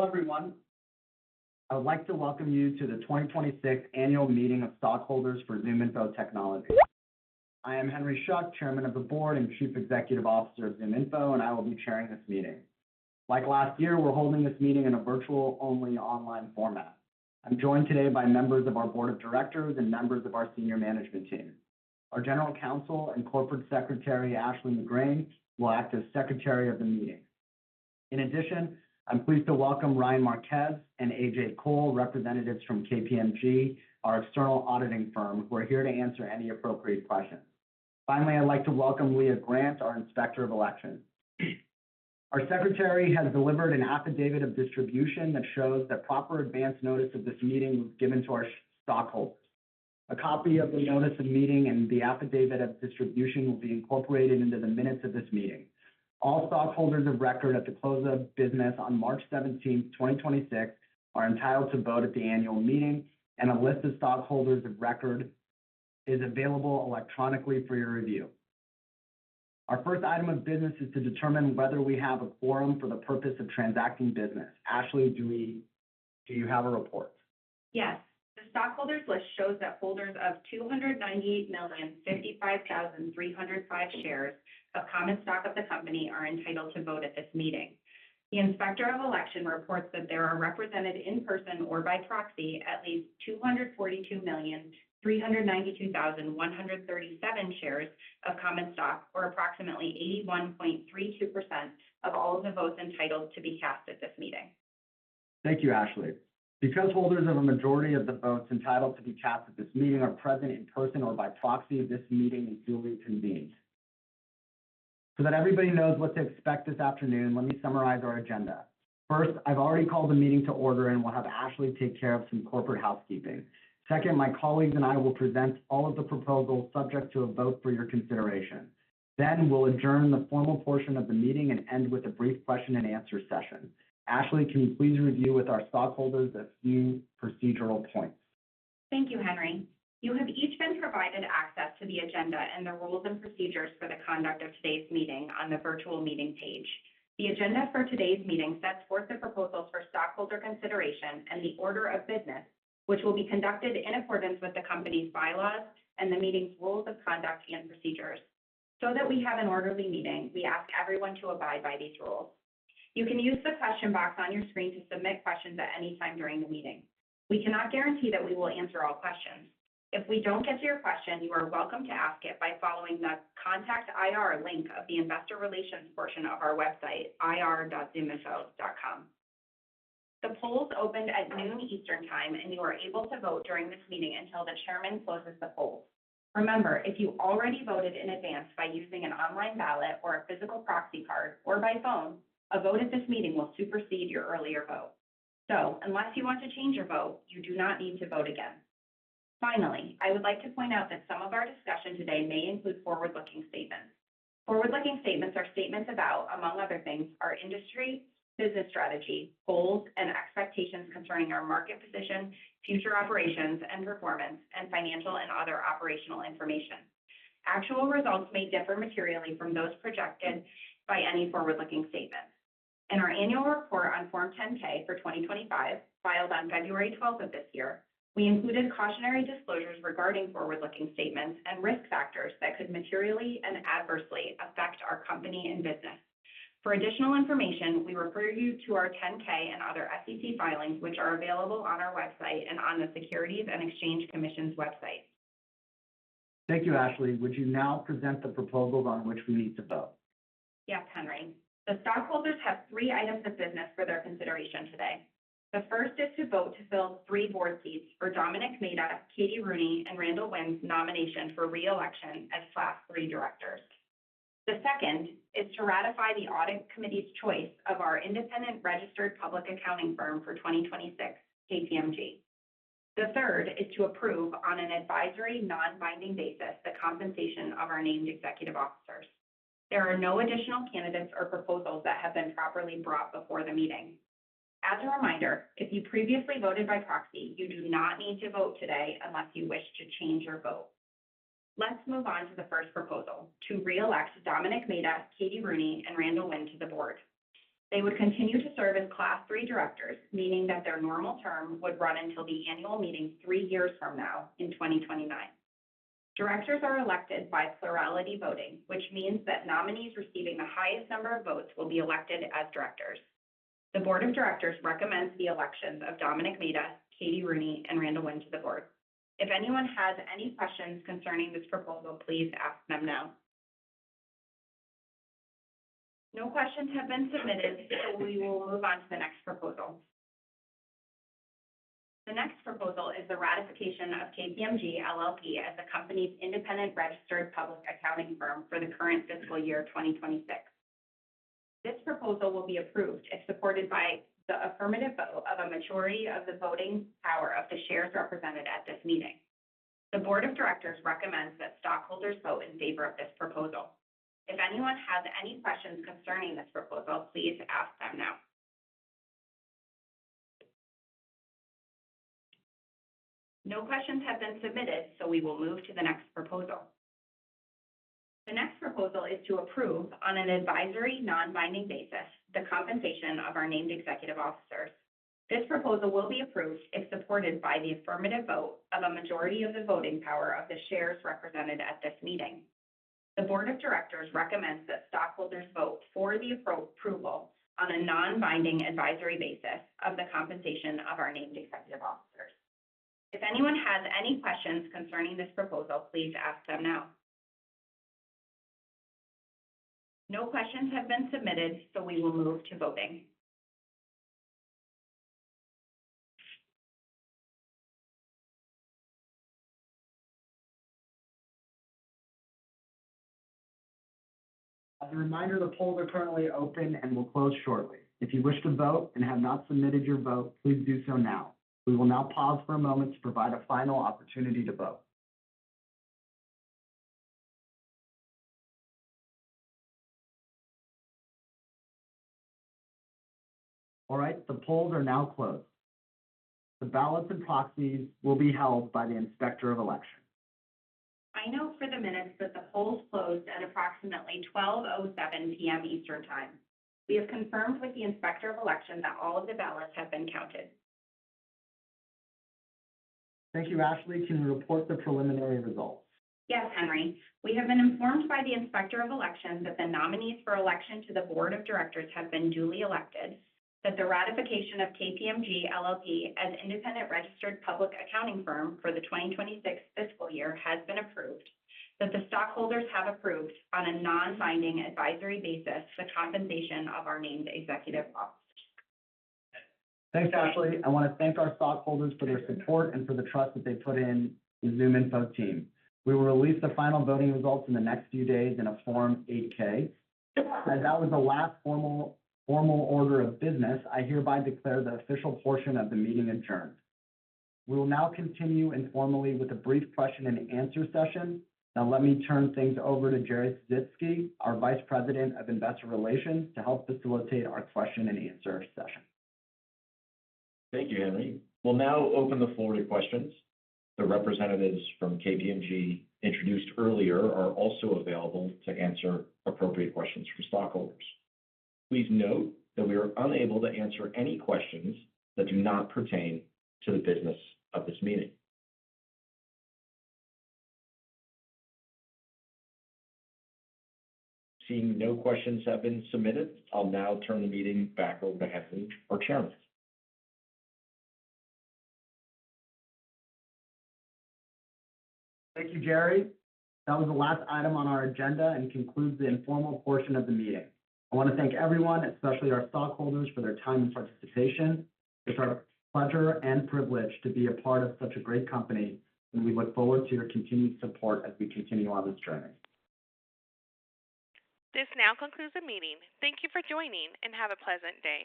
Hello, everyone. I would like to welcome you to the 2026 Annual Meeting of Stockholders for ZoomInfo Technologies Inc. I am Henry Schuck, Chairman of the Board and Chief Executive Officer of ZoomInfo, and I will be chairing this meeting. Like last year, we're holding this meeting in a virtual-only online format. I'm joined today by members of our Board of Directors and members of our senior management team. Our General Counsel and Corporate Secretary, Ashley McGrane, will act as Secretary of the meeting. In addition, I'm pleased to welcome Ryan Marquez and AJ Cole, representatives from KPMG, our external auditing firm, who are here to answer any appropriate questions. Finally, I'd like to welcome Leah Grant, our Inspector of Elections. Our Secretary has delivered an affidavit of distribution that shows that proper advance notice of this meeting was given to our stockholders. A copy of the notice of meeting and the affidavit of distribution will be incorporated into the minutes of this meeting. All stockholders of record at the close of business on March 17th, 2026 are entitled to vote at the annual meeting, and a list of stockholders of record is available electronically for your review. Our first item of business is to determine whether we have a quorum for the purpose of transacting business. Ashley, do you have a report? Yes. The stockholders' list shows that holders of 298,055,305 shares of common stock of the company are entitled to vote at this meeting. The Inspector of Election reports that there are represented in person or by proxy at least 242,392,137 shares of common stock, or approximately 81.32% of all of the votes entitled to be cast at this meeting. Thank you, Ashley. Because holders of a majority of the votes entitled to be cast at this meeting are present in person or by proxy, this meeting is duly convened. That everybody knows what to expect this afternoon, let me summarize our agenda. First, I've already called the meeting to order, and we'll have Ashley take care of some corporate housekeeping. Second, my colleagues and I will present all of the proposals subject to a vote for your consideration. We'll adjourn the formal portion of the meeting and end with a brief question-and-answer session. Ashley, can you please review with our stockholders a few procedural points? Thank you, Henry. You have each been provided access to the agenda and the rules and procedures for the conduct of today's meeting on the virtual meeting page. The agenda for today's meeting sets forth the proposals for stockholder consideration and the order of business, which will be conducted in accordance with the company's bylaws and the meeting's rules of conduct and procedures. That we have an orderly meeting, we ask everyone to abide by these rules. You can use the question box on your screen to submit questions at any time during the meeting. We cannot guarantee that we will answer all questions. If we don't get to your question, you are welcome to ask it by following the contact IR link of the investor relations portion of our website, ir.zoominfo.com. The polls opened at noon Eastern Time, and you are able to vote during this meeting until the chairman closes the polls. Remember, if you already voted in advance by using an online ballot or a physical proxy card or by phone, a vote at this meeting will supersede your earlier vote. Unless you want to change your vote, you do not need to vote again. Finally, I would like to point out that some of our discussion today may include forward-looking statements. Forward-looking statements are statements about, among other things, our industry, business strategy, goals, and expectations concerning our market position, future operations and performance, and financial and other operational information. Actual results may differ materially from those projected by any forward-looking statements. In our annual report on Form 10-K for 2025, filed on February 12th 2026. We included cautionary disclosures regarding forward-looking statements and risk factors that could materially and adversely affect our company and business. For additional information, we refer you to our 10-K and other SEC filings, which are available on our website and on the Securities and Exchange Commission's website. Thank you, Ashley. Would you now present the proposals on which we need to vote? Yes, Henry. The stockholders have three items of business for their consideration today. The first is to vote to fill three board seats for Domenic J. Maida, Katie Rooney, and D. Randall Winn's nomination for re-election as Class III Directors. The second is to ratify the audit committee's choice of our independent registered public accounting firm for 2026, KPMG. The third is to approve on an advisory non-binding basis the compensation of our named executive officers. There are no additional candidates or proposals that have been properly brought before the meeting. As a reminder, if you previously voted by proxy, you do not need to vote today unless you wish to change your vote. Let's move on to the first proposal, to re-elect Domenic J. Maida, Katie Rooney, and D. Randall Winn to the board. They would continue to serve as Class III Directors, meaning that their normal term would run until the annual meeting three years from now in 2029. Directors are elected by plurality voting, which means that nominees receiving the highest number of votes will be elected as Directors. The Board of Directors recommends the elections of Domenic J. Maida, Katie Rooney, and D. Randall Winn to the board. If anyone has any questions concerning this proposal, please ask them now. No questions have been submitted. We will move on to the next proposal. The next proposal is the ratification of KPMG LLP as the company's independent registered public accounting firm for the current fiscal year, 2026. This proposal will be approved if supported by the affirmative vote of a majority of the voting power of the shares represented at this meeting. The Board of Directors recommends that stockholders vote in favor of this proposal. If anyone has any questions concerning this proposal, please ask them now. No questions have been submitted. We will move to the next proposal. The next proposal is to approve on an advisory non-binding basis the compensation of our named executive officers. This proposal will be approved if supported by the affirmative vote of a majority of the voting power of the shares represented at this meeting. The Board of Directors recommends that stockholders vote for the approval on a non-binding advisory basis of the compensation of our named executive officers. If anyone has any questions concerning this proposal, please ask them now. No questions have been submitted. We will move to voting. As a reminder, the polls are currently open and will close shortly. If you wish to vote and have not submitted your vote, please do so now. We will now pause for a moment to provide a final opportunity to vote. All right, the polls are now closed. The ballots and proxies will be held by the Inspector of Election. I note for the minutes that the polls closed at approximately 12:07 P.M. Eastern Time. We have confirmed with the Inspector of Election that all of the ballots have been counted. Thank you. Ashley, can you report the preliminary results? Yes, Henry. We have been informed by the Inspector of Election that the nominees for election to the Board of Directors have been duly elected, that the ratification of KPMG LLP as independent registered public accounting firm for the 2026 fiscal year has been approved. That the stockholders have approved on a non-binding advisory basis the compensation of our named executive officers. Thanks, Ashley. I wanna thank our stockholders for their support and for the trust that they put in the ZoomInfo team. We will release the final voting results in the next few days in a Form 8-K. As that was the last formal order of business, I hereby declare the official portion of the meeting adjourned. We will now continue informally with a brief question-and-answer session. Let me turn things over to Jerry Sisitsky, our Vice President of Investor Relations, to help facilitate our question and answer session. Thank you, Henry. We'll now open the floor to questions. The representatives from KPMG introduced earlier are also available to answer appropriate questions from stockholders. Please note that we are unable to answer any questions that do not pertain to the business of this meeting. Seeing no questions have been submitted, I'll now turn the meeting back over to Henry, our Chairman. Thank you, Jerry. That was the last item on our agenda and concludes the informal portion of the meeting. I wanna thank everyone, especially our stockholders for their time and participation. It's our pleasure and privilege to be a part of such a great company, and we look forward to your continued support as we continue on this journey. This now concludes the meeting. Thank you for joining, and have a pleasant day.